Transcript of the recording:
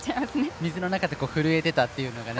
水の中で震えてたというのがね。